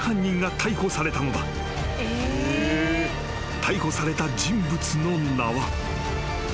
［逮捕された人物の名は］